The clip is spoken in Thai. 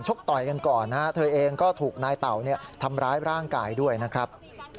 ต่อยกันก่อนนะฮะเธอเองก็ถูกนายเต่าทำร้ายร่างกายด้วยนะครับ